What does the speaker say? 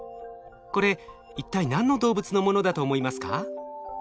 これ一体何の動物のものだと思いますか？